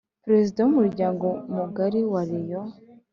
Perezida w’ Umuryango mugari wa Rayon